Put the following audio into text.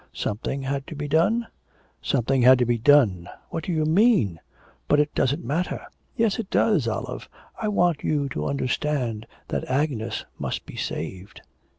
'Something had to be done?' 'Something had to be done! What do you mean? But it doesn't matter.' 'Yes, it does, Olive. I want you to understand that Agnes must be saved.'